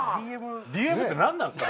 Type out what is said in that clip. ＤＭって何なんすか？